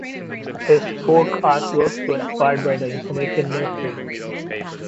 His folk artworks were acquired by the Information Ministry.